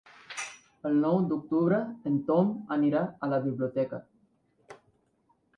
El nou d'octubre en Tom anirà a la biblioteca.